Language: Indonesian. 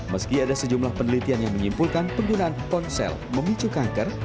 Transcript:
meski ada sejumlah penelitian yang menyimpulkan penggunaan ponsel memicu kanker